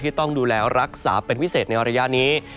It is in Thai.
ที่ต้องดูแลรักษาเป็นพิเศษในระยะนี้